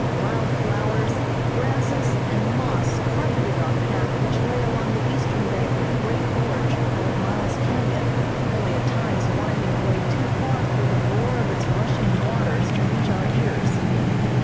Wild flowers, grasses and moss carpeted our path which lay along the eastern bank of the great gorge called Miles Canyon, only at times winding away too far for the roar of its rushing waters to reach our ears.